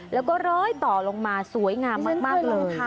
แล้วก็เล้ยต่อลงมาสวยงามมากเลย